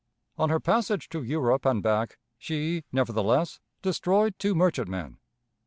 On her passage to Europe and back, she, nevertheless, destroyed two merchantmen.